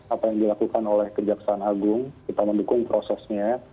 apa yang dilakukan oleh kejaksaan agung kita mendukung prosesnya